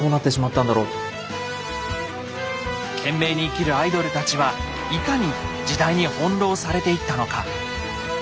懸命に生きるアイドルたちはいかに時代に翻弄されていったのか。